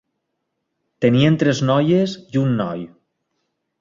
Tenien tres noies i un noi.